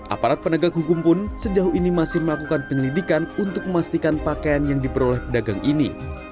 aparat penegak hukum pun sejauh ini masih melakukan penyelidikan untuk memastikan pakaian yang diperoleh pedagang ini